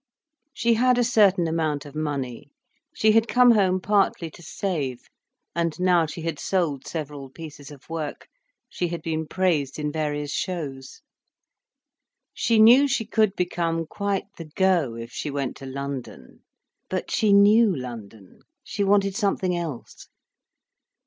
She had a certain amount of money. She had come home partly to save, and now she had sold several pieces of work, she had been praised in various shows. She knew she could become quite the "go' if she went to London. But she knew London, she wanted something else.